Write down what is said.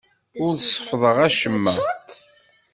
Ur seffḍeɣ acemma.